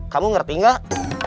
kamu ngerti gak